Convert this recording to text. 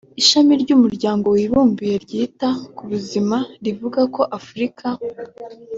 Ishami ry’Umuryango w’Abibumbye ryita ku buzima rivuga ko Afrika